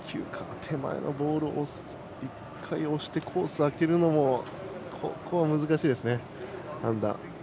手前のボールを１回押してコースを空けるのも難しいですね、判断。